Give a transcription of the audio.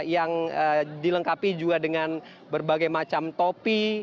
yang dilengkapi juga dengan berbagai macam topi